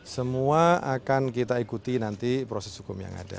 semua akan kita ikuti nanti nanti kita akan mencari jawaban yang berbeda